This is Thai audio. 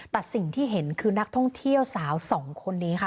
แต่สิ่งที่เห็นคือนักท่องเที่ยวสาวสองคนนี้ค่ะ